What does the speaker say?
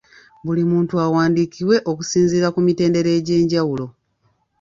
Buli muntu awandiikibwe okusinziira ku mitendera egyenjawulo.